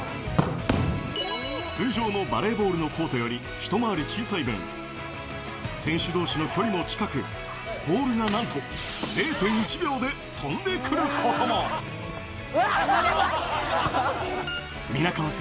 通常のバレーボールのコートより一回り小さい分、選手どうしの距離も近く、ボールがなんと、０．１秒で飛んでくるうわー、くっそ。